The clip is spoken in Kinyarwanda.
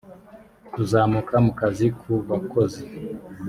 kuzamuka mu kazi ku bakozi